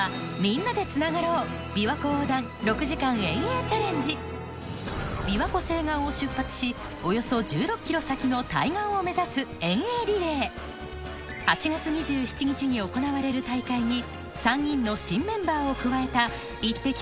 まずは琵琶湖西岸を出発しおよそ１６ｋｍ先の対岸を目指す遠泳リレー８月２７日に行われる大会に３人の新メンバーを加えたイッテＱ！